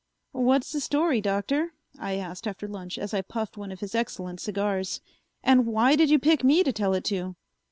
"What's the story, Doctor?" I asked after lunch as I puffed one of his excellent cigars. "And why did you pick me to tell it to?"